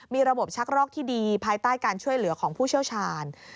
มีระบบชักรอกที่ดีภายใต้การช่วยเหลือของผู้เชี่ยวชาญ